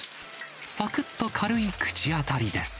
さくっと軽い口当たりです。